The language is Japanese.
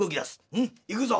うん行くぞ！